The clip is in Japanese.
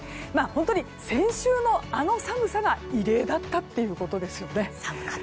本当に先週のあの寒さが異例だったということですよね。